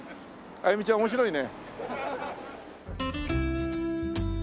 歩ちゃん面白いね。